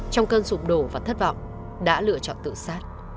trong cơn sụp đổ và thất vọng đã lựa chọn tự sát